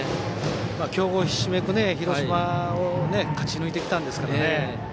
強豪ひしめく広島を勝ち抜いてきたんですからね。